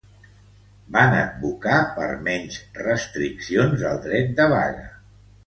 Van advocar per menys restriccions al dret de vaga.